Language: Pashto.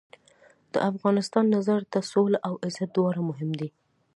د افغان نظر ته سوله او عزت دواړه مهم دي.